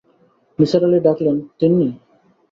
নিসার আলি ডাকলেন, তিন্নি।